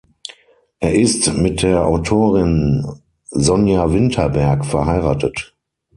Er ist mit der Autorin Sonya Winterberg verheiratet.